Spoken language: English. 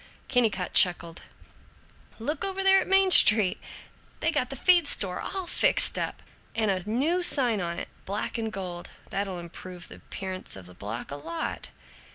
Kennicott chuckled, "Look over there on Main Street! They got the feed store all fixed up, and a new sign on it, black and gold. That'll improve the appearance of the block a lot."